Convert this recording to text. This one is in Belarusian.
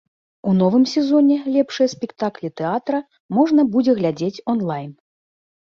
У новым сезоне лепшыя спектаклі тэатра можна будзе глядзець онлайн.